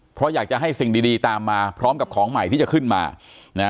เพราะอยากจะให้สิ่งดีตามมาพร้อมกับของใหม่ที่จะขึ้นมานะ